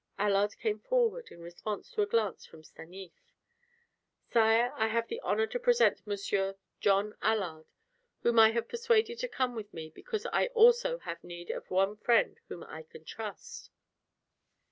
Allard came forward in response to a glance from Stanief. "Sire, I have the honor to present Monsieur John Allard, whom I have persuaded to come with me because I also have need of one friend whom I can trust."